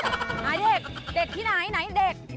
ไหนเด็กเด็กที่ไหนไหนเด็ก